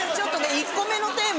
１個目のテーマ。